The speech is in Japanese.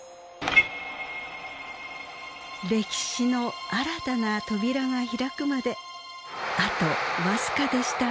歴史の新たな扉が開くまであと僅かでした。